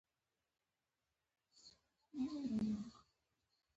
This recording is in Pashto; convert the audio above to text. د لاجورد کان په سرسنګ کې دی